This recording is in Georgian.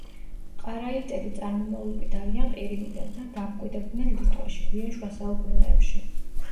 ყარაიტები წარმომავლობით არიან ყირიმიდან და დამკვიდრდნენ ლიტვაში გვიან შუა საუკუნეებში.